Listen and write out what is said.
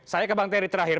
saya ke bang terry terakhir